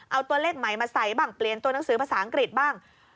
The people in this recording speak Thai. เอาตัวเลขใหม่มาใส่บ้างเปลี่ยนตัวหนังสือภาษาอังกฤษบ้าง